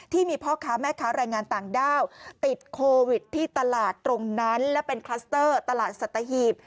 ที่มีพ่อค้าแม่ค้าแรงงานต่างด้าวติดโควิดที่ตลาดตรงนั้นและเป็นคลัสเตอร์ตลาดสัตหีบ